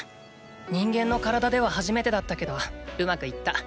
人間の体では初めてだったけどうまくいった。